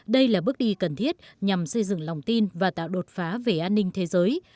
đây là bước đi cần thiết nhằm xây dựng lòng tin và tạo đột phá về an ninh thế giới